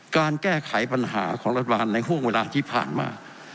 การแก้ไขปัญหาของรัฐบาลในห่วงเวลาที่ผ่านมา